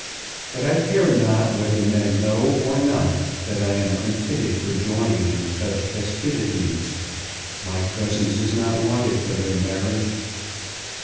But I care not whether men know or not that I am unfitted for joining in such festivities. My presence is not wanted for their marriage."